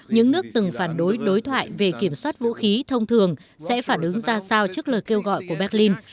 những nước từng phản đối đối thoại về kiểm soát vũ khí thông thường sẽ phản ứng ra sao trước lời kêu gọi của berlin